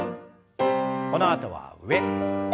このあとは上。